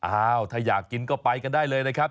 อ้าวถ้าอยากกินก็ไปกันได้เลยนะครับ